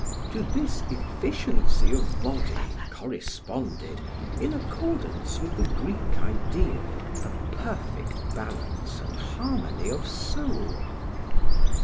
] To this efficiency of body corresponded, in accordance with the Greek ideal, a perfect balance and harmony of soul.